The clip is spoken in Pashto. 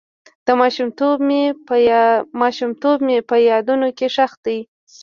ماشومتوب مې په یادونو کې ښخ دی.